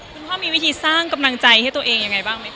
คุณพ่อมีวิธีสร้างกำลังใจให้ตัวเองยังไงบ้างไหมค